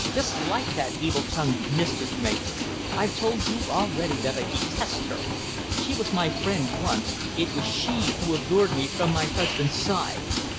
"Just like that evil tongued mischief maker! I've told you already that I detest her. She was my friend once it was she who allured me from my husband's side.